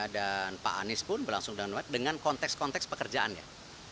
dan pak anies pun berlangsung dengan baik dengan konteks konteks pekerjaannya